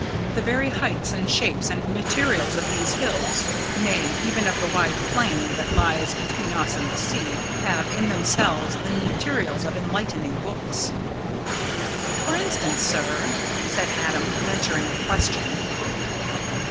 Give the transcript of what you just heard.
The very heights and shapes and materials of these hills nay, even of the wide plain that lies between us and the sea have in themselves the materials of enlightening books." "For instance, sir?" said Adam, venturing a question.